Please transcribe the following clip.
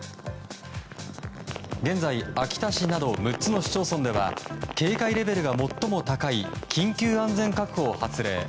現在、秋田市など６つの市町村では警戒レベルが最も高い緊急安全確保を発令。